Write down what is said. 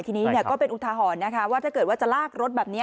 ทีนี้ก็เป็นอุทาหรณ์นะคะว่าถ้าเกิดว่าจะลากรถแบบนี้